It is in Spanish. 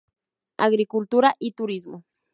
Agricultura y turismo.